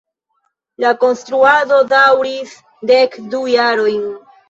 La konstruado daŭris dek du jarojn.